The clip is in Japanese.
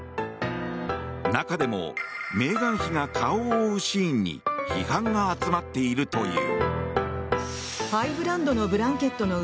中でもメーガン妃が顔を覆うシーンに批判が集まっているという。